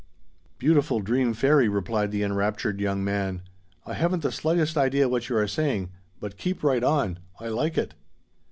"Beautiful dream fairy," replied the enraptured young man, "I haven't the slightest idea what you are saying, but keep right on. I like it."